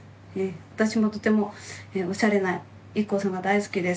私もとてもおしゃれなＩＫＫＯさんが大好きです。